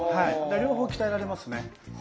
両方鍛えられますね。